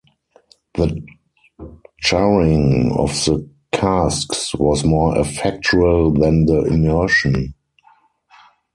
The charring of the casks was more effectual than the immersion.